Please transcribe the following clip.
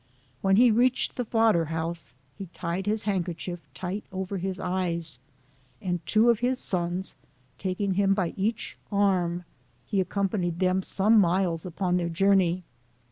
When he reached the fodder house, he tied his handkerchief tight over his eyes, and two of his sons taking him by each arm, he accompanied them some miles upon their' jour ney.